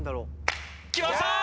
きましたー！